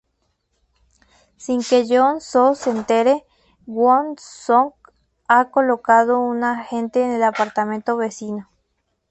Sin que Yeon-soo se entere, Kwon-sook ha colocado un agente en el apartamento vecino.